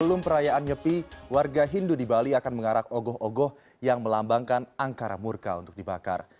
sebelum perayaan nyepi warga hindu di bali akan mengarak ogoh ogoh yang melambangkan angkara murka untuk dibakar